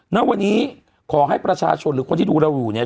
ณวันนี้ขอให้ประชาชนหรือคนที่ดูเราอยู่เนี่ย